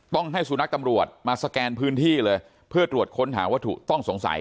ต้องให้สุนัขตำรวจมาสแกนพื้นที่เลยเพื่อตรวจค้นหาวัตถุต้องสงสัย